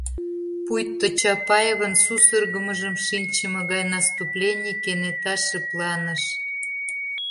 Пуйто Чапаевын сусыргымыжым шинчыме гай наступлений кенета шыпланыш.